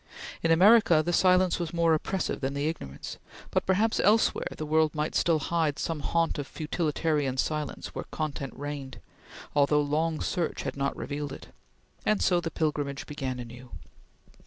In America the silence was more oppressive than the ignorance; but perhaps elsewhere the world might still hide some haunt of futilitarian silence where content reigned although long search had not revealed it and so the pilgrimage began anew!